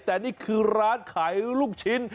แต่นี่คือร้านขายลูกชิ้น